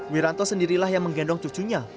wiranto sendirilah yang menggendong cucunya